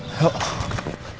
hah fera nya kabur